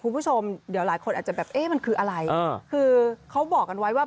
คุณผู้ชมเดี๋ยวหลายคนอาจจะแบบเอ๊ะมันคืออะไรคือเขาบอกกันไว้ว่า